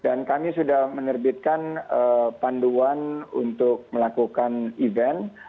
dan kami sudah menerbitkan panduan untuk melakukan event